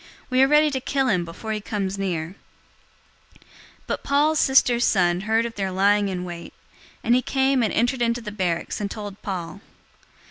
We are ready to kill him before he comes near." 023:016 But Paul's sister's son heard of their lying in wait, and he came and entered into the barracks and told Paul.